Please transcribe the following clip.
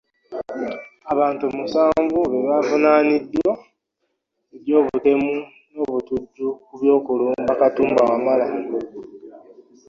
Abantu musanvu be bavunaaniddwa egy'obutemu n'obutujju ku by'okulumba Katumba Wamala.